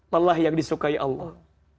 lelah yang disukai allah